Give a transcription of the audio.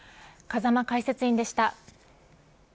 風間解説委員でした。